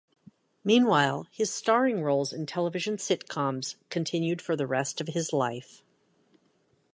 Meanwhile, his starring roles in television sitcoms continued for the rest of his life.